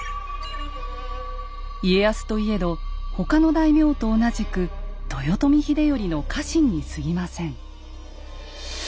家康といえど他の大名と同じく豊臣秀頼の家臣にすぎません。